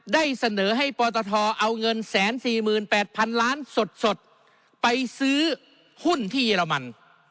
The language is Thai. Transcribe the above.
ได้เสนอให้ปตทเอาเงิน๑๔๘๐๐๐ล้านสดไปซื้อหุ้นที่เยอรมัน